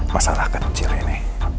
masalah kecil ini